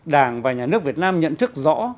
đảng và nhà nước việt nam nhận thức rõ